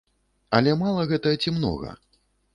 Але мала гэта ці многа?